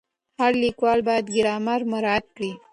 هر لیکوال باید ګرامر مراعت کړي.